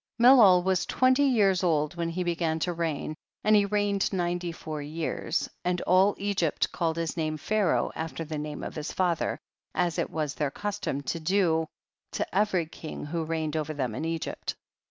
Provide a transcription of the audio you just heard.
Melol was twenty years old when he began to reign, and he reigned ninety four years, and all Egypt called his name Pharaoh after the name of his father, as it was their custom to do to every king who reigned over them in Egypt.